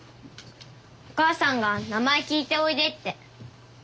お母さんが名前聞いておいでって。